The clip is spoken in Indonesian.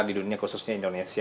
di dunia khususnya indonesia